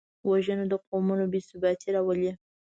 وژنه د قومونو بېثباتي راولي